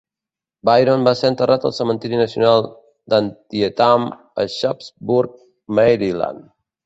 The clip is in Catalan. Byron va ser enterrat al cementiri nacional d'Antietam a Sharpsburg, Maryland.